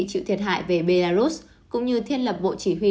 chịu thiệt hại về belarus cũng như thiết lập bộ chỉ huy